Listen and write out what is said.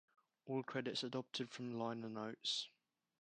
All credits adapted from liner notes.